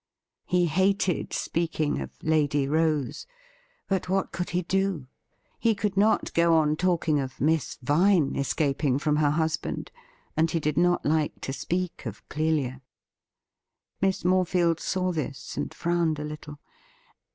He hated speaking of ' Lady Rose,' but what could he do ? He could not go on talking of ' Miss Vine ' escaping from her husband, and he did not like to speak of ' Clelia.' Miss Morefield saw this, and frowned a little.